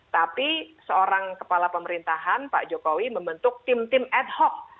tapi seorang kepala pemerintahan pak jokowi membentuk tim tim ad hoc